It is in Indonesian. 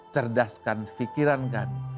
cerdaskan fikiran kami